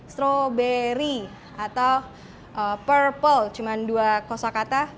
stroberi atau purple cuma dua kosa kata